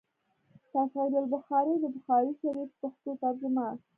“ تشعيل البخاري” َد بخاري شريف پښتو ترجمه